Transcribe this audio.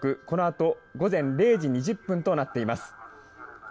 このあと午前０時２０分となっています。